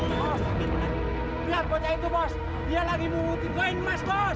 bos lihat koca itu bos dia lagi memutihkan mas bos